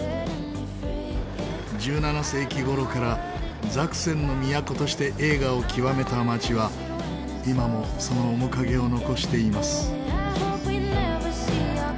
１７世紀頃からザクセンの都として栄華を極めた街は今もその面影を残しています。